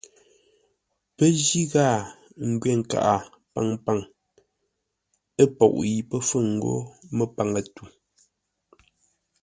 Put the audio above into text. Pə́ jí ghâa n ngwê nkaʼa paŋpaŋ ə́ poʼ yi pə́ fûŋ ńgó mə́páŋə-tû.